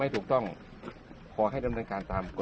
รู้สภาพไม้นั้นเก่าแล้ว